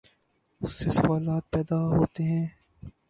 اس سے سوالات پیدا ہوتے ہیں۔